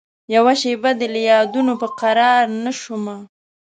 یوه شېبه دي له یادونوپه قرارنه شومه